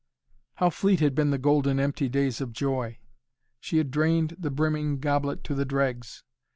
How fleet had been the golden empty days of joy. She had drained the brimming goblet to the dregs.